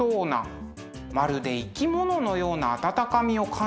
まるで生き物のような温かみを感じますねえ。